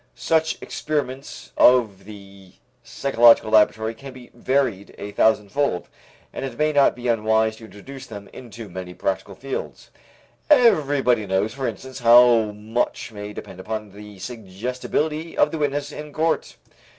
Such experiments of the psychological laboratory can be varied a thousandfold, and it might not be unwise to introduce them into many practical fields. Everybody knows for instance how much may depend upon the suggestibility of the witness in court.